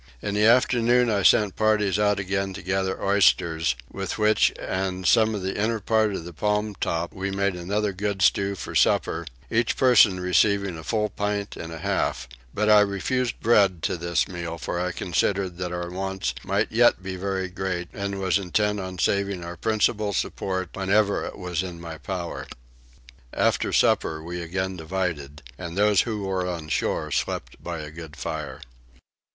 In the afternoon I sent parties out again to gather oysters, with which and some of the inner part of the palm top we made another good stew for supper, each person receiving a full pint and a half; but I refused bread to this meal for I considered that our wants might yet be very great, and was intent on saving our principal support whenever it was in my power. After supper we again divided and those who were on shore slept by a good fire.